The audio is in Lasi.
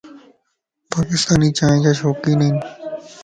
پاڪستاني چائن جا شوقين ائين.